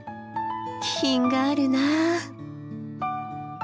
気品があるなあ。